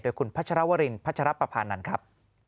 โดยคุณพัชรวรินพัชรัพย์ประพานันตร์ครับ